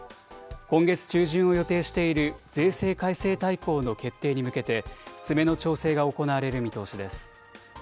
今月中旬を予定している税制改正大綱の決定に向けて、詰めの調整が行われる見通しです。